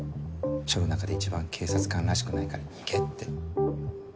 署の中で一番警察官らしくないから行けって。